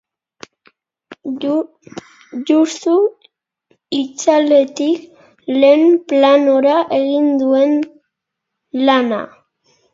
Juxtu, itzaletik lehen planora egin duen lana.